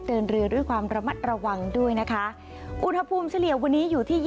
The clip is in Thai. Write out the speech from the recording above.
เดินเรือด้วยความระมัดระวังด้วยนะคะอุณหภูมิเฉลี่ยวันนี้อยู่ที่